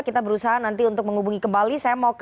kita berusaha nanti untuk menghubungi kembali